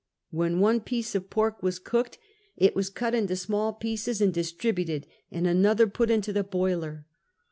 When one piece of pork was cooked, it was cut into small pieces and distributed, and another put into the boiler.